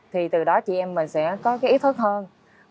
thì từ đó chị em mình sẽ có cái ý thức hơn